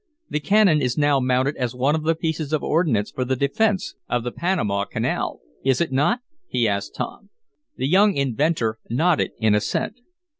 The cannon is now mounted as one of the pieces of ordnance for the defense of the Panama Canal, is it not?" he asked Tom. The young inventor nodded in assent.